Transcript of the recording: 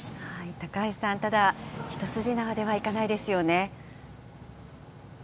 高橋さん、ただ、一筋縄ではいかないですよね。